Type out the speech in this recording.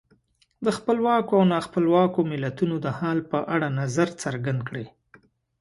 د خپلواکو او نا خپلواکو ملتونو د حال په اړه نظر څرګند کړئ.